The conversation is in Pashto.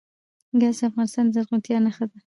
ګاز د افغانستان د زرغونتیا نښه ده.